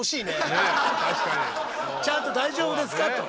ちゃんと大丈夫ですかと。